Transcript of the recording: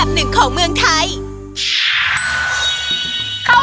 เหมือนกัน